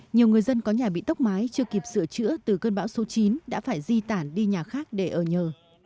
nhiều người dân có nhà bị tốc mái chưa kịp sửa chữa từ cơn bão số chín đã phải di tản đi nhà khác để ở nhờ